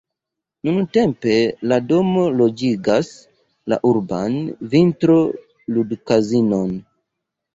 Nuntempe la domo loĝigas la urban vintro-ludkazinon.